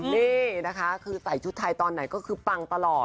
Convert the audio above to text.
นี่นะคะคือใส่ชุดไทยตอนไหนก็คือปังตลอด